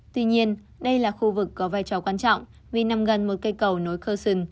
tuy nhiên đây là khu vực có vai trò quan trọng vì nằm gần một cây cầu nối curtion